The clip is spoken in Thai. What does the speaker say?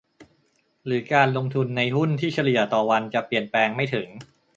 หรือการลงทุนในหุ้นที่เฉลี่ยต่อวันจะเปลี่ยนแปลงไม่ถึง